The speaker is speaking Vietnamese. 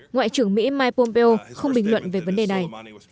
ngoại trưởng mỹ mike pompeo không bình luận về vấn đề này